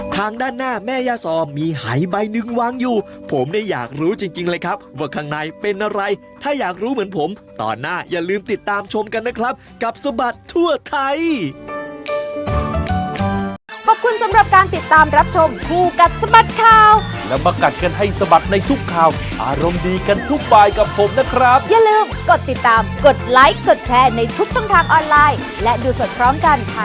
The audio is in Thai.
ช่องทางออนไลน์และดูสดพร้อมกันผ่านไทยรัฐคลิปช่อง๓๒